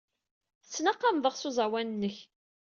Tettnaqameḍ-aɣ s uẓawan-nnek.